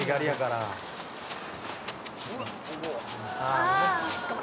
「ああ」